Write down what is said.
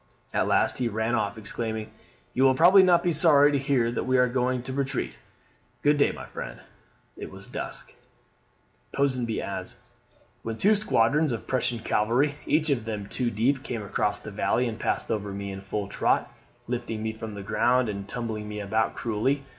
"At last he ran off, exclaiming, 'You will probably not be sorry to hear that we are going to retreat. Good day, my friend.' It was dusk," Ponsonby adds, "when two squadrons of Prussian cavalry, each of them two deep, came across the valley, and passed over me in full trot, lifting me from the ground, and tumbling me about cruelly.